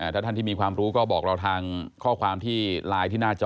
ถ้าท่านที่มีความรู้ก็บอกเราทางข้อความที่ไลน์ที่หน้าจอ